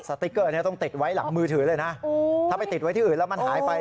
ติ๊กเกอร์นี้ต้องติดไว้หลังมือถือเลยนะถ้าไปติดไว้ที่อื่นแล้วมันหายไป